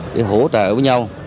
để hỗ trợ với nhau